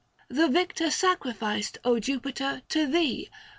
The victor sacrificed, O Jupiter 615 To thee